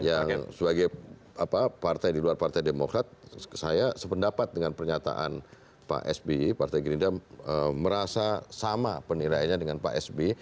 yang sebagai partai di luar partai demokrat saya sependapat dengan pernyataan pak sby partai gerindra merasa sama penilaiannya dengan pak sb